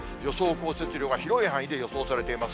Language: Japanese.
降雪量が広い範囲で予想されています。